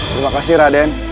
terima kasih raden